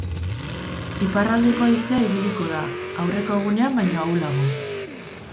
Iparraldeko haizea ibiliko da, aurreko egunean baino ahulago.